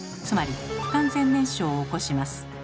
つまり不完全燃焼を起こします。